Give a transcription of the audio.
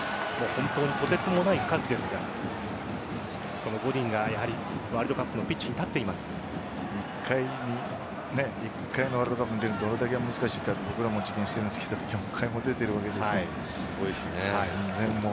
本当にとてつもない数ですがそのゴディンがやはりワールドカップのピッチに１回のワールドカップに出るのがどれだけ難しいかということは僕らも経験していますが４回も出ているんですね。